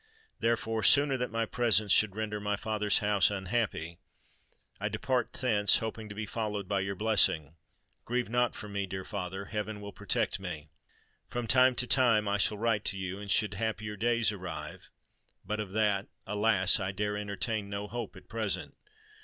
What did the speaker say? Therefore, sooner that my presence should render my father's house unhappy, I depart thence, hoping to be followed by your blessing! Grieve not for me, dear father—heaven will protect me! From time to time I shall write to you; and should happier days arrive——but of that, alas! I dare entertain no hope at present.